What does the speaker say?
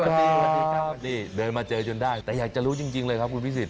นี่เดินมาเจอจนได้แต่อยากจะรู้จริงเลยครับคุณพิศิษฐ์